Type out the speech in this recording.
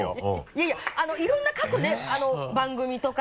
いやいやいろんな過去ね番組とか。